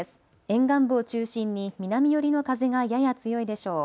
沿岸部を中心に南寄りの風がやや強いでしょう。